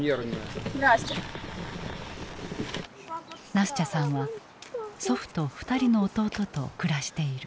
ナスチャさんは祖父と２人の弟と暮らしている。